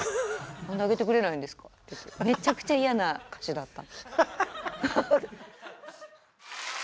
「なんで上げてくれないんですか？」ってめちゃくちゃ嫌な歌手だった。